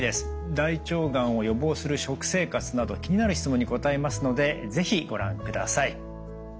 大腸がんを予防する食生活など気になる質問に答えますので是非ご覧ください。